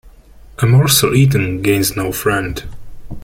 A morsel eaten gains no friend.